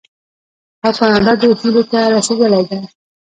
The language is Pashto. او کاناډا دې هیلې ته رسیدلې ده.